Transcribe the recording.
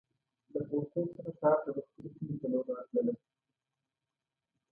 له پوهنتون څخه ښار ته د خپلې خونې په لور راتلم.